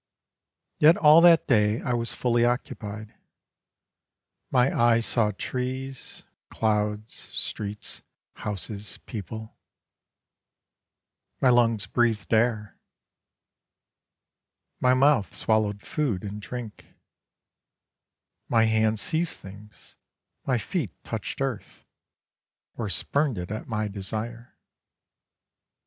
Yet all that day I was fully occupied: My eyes saw trees, clouds, streets, houses, people; My lungs breathed air; My mouth swallowed food and drink; My hands seized things, my feet touched earth, Or spurned it at my desire.